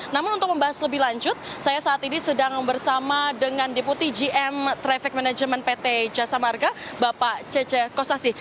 namun untuk membahas lebih lanjut saya saat ini sedang bersama dengan deputi gm traffic management pt jasa marga bapak cece kostasi